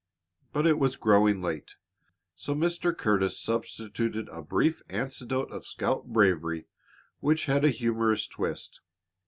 But it was growing late, so Mr. Curtis substituted a brief anecdote of scout bravery which had a humorous twist.